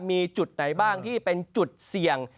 มีจุดไหนบ้างที่เป็นจุดเสี่ยง